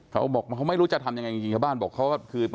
เขาบอกเขาไม่รู้จะทำยังไงจริงชาวบ้านบอก